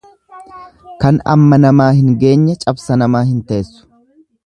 Kan amma namaa hin geenye cabsa namaa hin teessu.